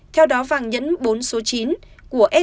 theo đó vàng nhẫn bốn số chín của sgc